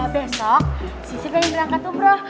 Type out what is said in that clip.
besok sisi yang berangkat umroh